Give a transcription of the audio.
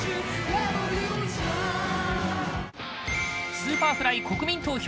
Ｓｕｐｅｒｆｌｙ国民投票